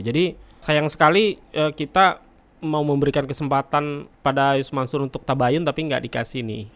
jadi sayang sekali kita mau memberikan kesempatan pada yus mansur untuk tabahin tapi enggak dikasih nih